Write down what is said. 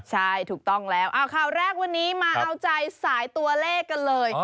ใช่ถูกต้องแล้วข่าวแรกวันนี้มาเอาใจสายตัวเลขกันเลย